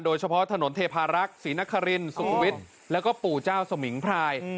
โดยเฉพาะถนนเทพารักษ์ศรีนครินสุขุมวิทย์แล้วก็ปู่เจ้าสมิงพราย